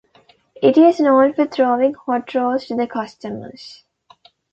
It is known for throwing hot rolls to the customers.